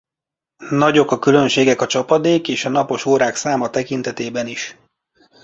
Nagyok a különbségek a csapadék és a napos órák száma tekintetében is.